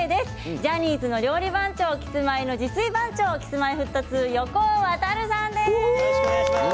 ジャニーズの料理番長キスマイの自炊番長Ｋｉｓ−Ｍｙ−Ｆｔ２の横尾渉さんです。